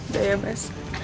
udah ya mas